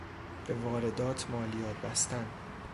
به واردات مالیات بستن